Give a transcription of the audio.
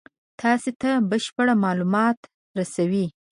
تاسې ته بشپړ مالومات رسوي.